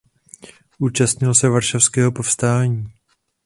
Účastnil se Varšavského povstání.